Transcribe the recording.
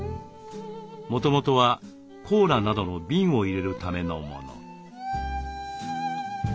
もともとはコーラなどの瓶を入れるためのもの。